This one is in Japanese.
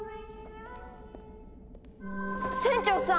船長さん！